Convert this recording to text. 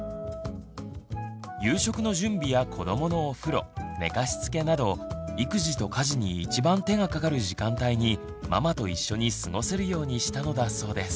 夕食の準備や子どものお風呂寝かしつけなど育児と家事に一番手がかかる時間帯にママと一緒に過ごせるようにしたのだそうです。